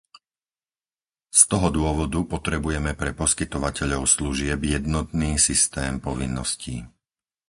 Z toho dôvodu potrebujeme pre poskytovateľov služieb jednotný systém povinností.